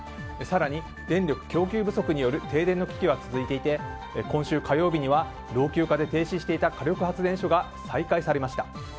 更に、電力供給不足による停電の危機が続いていて、今週火曜日には老朽化で停止していた火力発電所が再開されました。